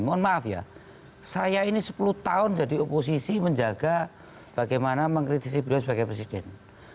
mohon maaf ya saya ini sepuluh tahun jadi oposisi menjaga bagaimana mengkritisi beliau sebagai presiden